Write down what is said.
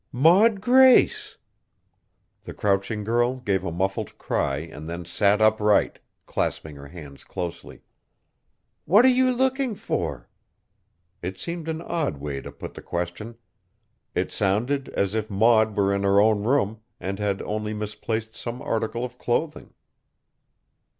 "Maud Grace!" The crouching girl gave a muffled cry and then sat upright, clasping her hands closely. "What are you looking for?" It seemed an odd way to put the question. It sounded as if Maud were in her own room and had only misplaced some article of clothing.